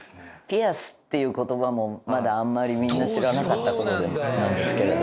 「ピアス」っていう言葉もまだあんまりみんな知らなかった頃なんですけれど。